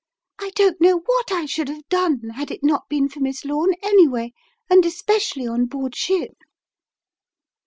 I don't know what I should have done had it not been for Miss Lome, anyway, and especially on board ship."